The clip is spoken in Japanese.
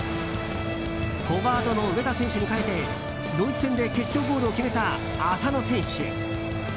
フォワードの上田選手に代えてドイツ戦で決勝ゴールを決めた浅野選手。